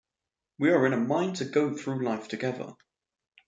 We are in a mind to go through life together.